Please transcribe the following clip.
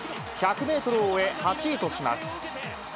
１００メートルを終え、８位とします。